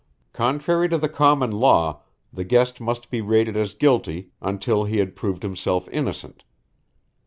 Contrary to the common law, the guest must be rated as guilty until he had proved himself innocent.